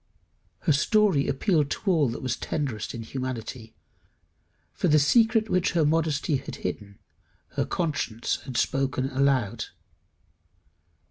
Her story appealed to all that was tenderest in humanity; for the secret which her modesty had hidden, her conscience had spoken aloud.